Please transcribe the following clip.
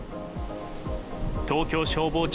東京消防庁